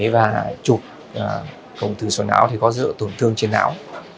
và trục cổng từ sổ não thì có dựa tổn thương trên não